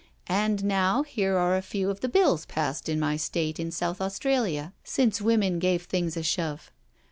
And now, here are a few of the Bills passed in my state in South Australia since women gave things a shove.